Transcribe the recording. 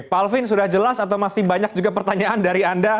pak alvin sudah jelas atau masih banyak juga pertanyaan dari anda